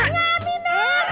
pak enggak minum